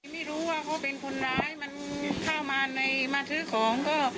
ไม่รู้ว่าเขาเป็นคนร้ายมันเข้ามาในมาซื้อของก็